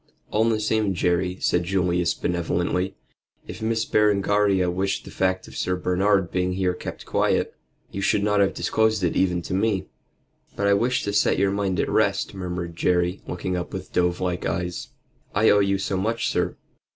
"All the same, Jerry," said Julius, benevolently, "if Miss Berengaria wished the fact of Sir Bernard's being here kept quiet, you should not have disclosed it even to me." "But I wished to set your mind at rest," murmured Jerry, looking up with dove like eyes. "I owe you so much, sir."